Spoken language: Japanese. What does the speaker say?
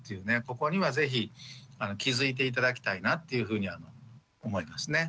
ここには是非気づいて頂きたいなっていうふうには思いますね。